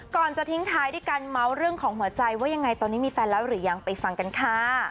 ก่อนจะทิ้งท้ายด้วยการเมาส์เรื่องของหัวใจว่ายังไงตอนนี้มีแฟนแล้วหรือยังไปฟังกันค่ะ